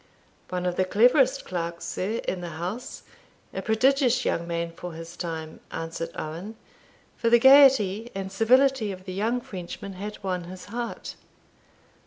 "One of the cleverest clerks, sir, in the house; a prodigious young man for his time," answered Owen; for the gaiety and civility of the young Frenchman had won his heart.